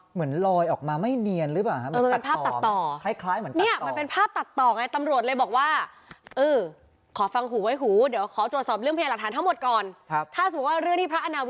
เหมือนลอยออกมาไม่เนียนรึเปล่า